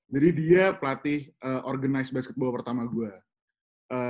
jadi dia pelatih organize basketball pertama gue